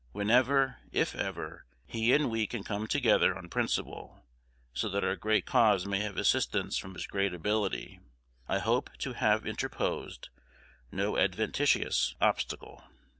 Whenever, if ever, he and we can come together on principle, so that our great cause may have assistance from his great ability, I hope to have interposed no adventitious obstacle.